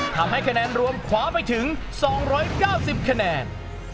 ทำให้คะแนนรวมคว้าไปถึง๒๙๐คะแนน